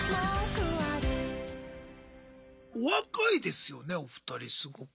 お若いですよねお二人すごく。